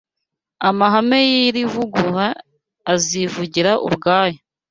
Amahame y’iri vugurura azivugira ubwayo